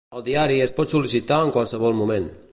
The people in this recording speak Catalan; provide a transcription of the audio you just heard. El Diari es pot sol·licitar en qualsevol moment.